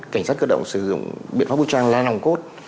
cảnh sát cơ động sử dụng biện pháp vũ trang là nòng cốt